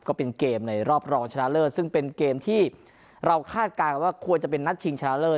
ก็เป็นเกมในรอบรองชนะเลิศซึ่งเป็นเกมที่เราคาดการณ์กันว่าควรจะเป็นนัดชิงชนะเลิศ